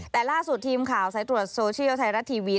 แต่ล่าสุดทีมข่าวสายตรวจโซเชียลไทยรัฐทีวี